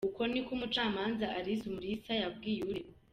Uko ni ko umucamanza Alice umulisa yabwiye uregwa.